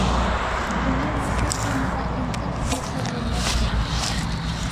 ئۇنى مۇشۇ تېمىغا ئىنكاس قىلىپلا يوللاپ قوياي.